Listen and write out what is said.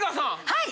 はい！